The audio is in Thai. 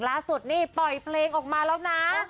ล่าสุดนี่ปล่อยเพลงออกมาแล้วนะ